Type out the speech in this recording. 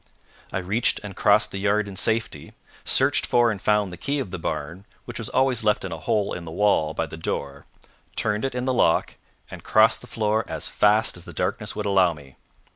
I reached and crossed the yard in safety, searched for and found the key of the barn, which was always left in a hole in the wall by the door, turned it in the lock, and crossed the floor as fast as the darkness would allow me.